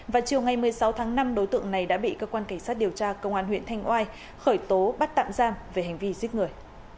và chiều ngày một mươi sáu tháng năm đối tượng này đã bị cơ quan cảnh sát điều tra công an huyện thanh oai khởi tố bắt tạm giam về hành vi giết người